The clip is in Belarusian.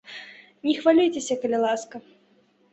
Не хвалюйцеся, калі ласка.